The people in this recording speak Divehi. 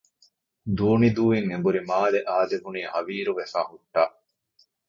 ދޫނިދޫއިން އެނބުރި މާލެ އާދެވުނީ ހަވީރުވެފައި ހުއްޓާ